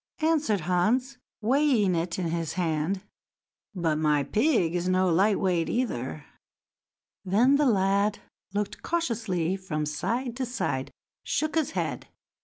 answered Hans, weighing it in his hand; "but my pig is no light weight, either." Then the lad looked cautiously about from side to side, and shook his head.